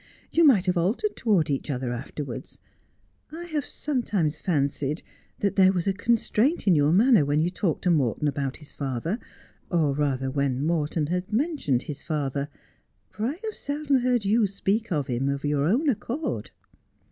You might have altered towards each other afterwards. I have sometimes fancied that there was a constraint in your manner when you talked to Morton about his father, or, rather, when Morton has mentioned his father, for I have seldom heard you speak of him of your own accord.'